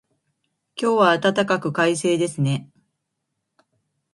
今日は暖かく、快晴ですね。